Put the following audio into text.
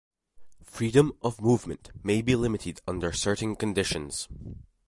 Freedom of movement may also be limited under certain conditions.